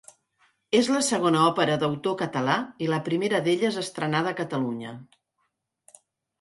És la segona òpera d'autor català i la primera d'elles estrenada a Catalunya.